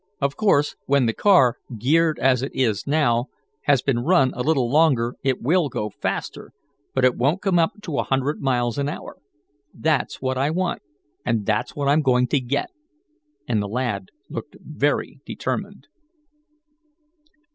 Of course, when the car, geared as it is now, has been run a little longer it will go faster, but it won't come up to a hundred miles an hour. That's what I want, and that's what I'm going to get," and the lad looked very determined.